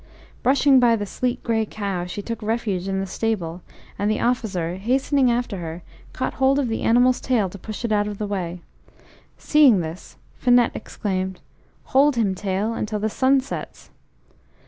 Brushing by the sleek grey cow, she took refuge in the stable, and the officer, hastening after her, caught hold of the animal's tail to push it out of the way. Seeing this, Finette exclaimed: "Hold him, tail, until the sun sets!"